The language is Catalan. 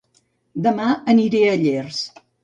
Dema aniré a Llers